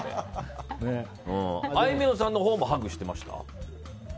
あいみょんさんのほうもハグしていました？